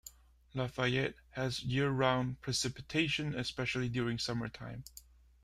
Lafayette has year-round precipitation, especially during summertime.